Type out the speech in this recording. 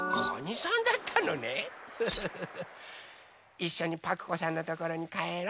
いっしょにパクこさんのところにかえろ！